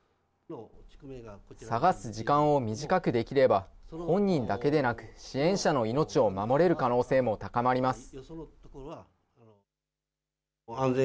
探す時間を短くできれば、本人だけでなく、支援者の命を守れる可能性も高まります。